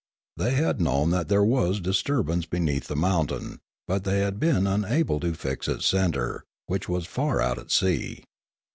They had known that there was disturbance beneath the mountain, but they had been unable to fix its centre, which was far out at sea.